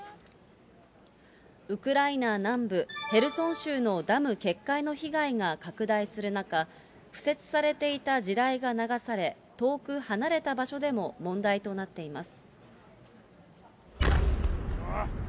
ウクライナ南部ヘルソン州のダム決壊の被害が拡大する中、敷設されていた地雷が流され、遠く離れた場所でも問題となっています。